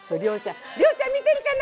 りょうちゃん見てるかな？